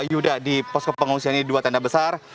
yuda di posko pengungsian ini dua tenda besar